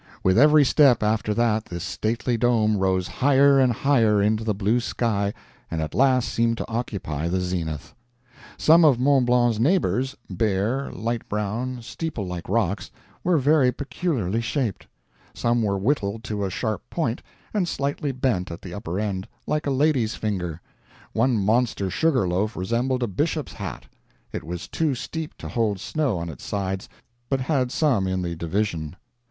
With every step, after that, this stately dome rose higher and higher into the blue sky, and at last seemed to occupy the zenith. Some of Mont Blanc's neighbors bare, light brown, steeplelike rocks were very peculiarly shaped. Some were whittled to a sharp point, and slightly bent at the upper end, like a lady's finger; one monster sugar loaf resembled a bishop's hat; it was too steep to hold snow on its sides, but had some in the division.